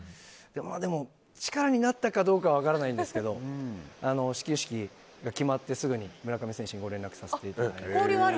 でも、力になったかどうか分からないんですけど始球式が決まってすぐに村上選手に交流あるんですね。